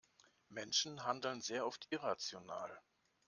Menschen handeln sehr oft irrational.